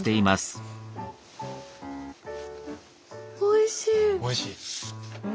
おいしい！